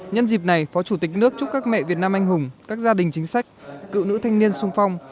nhân dịp này phó chủ tịch nước chúc các mẹ việt nam anh hùng các gia đình chính sách cựu nữ thanh niên sung phong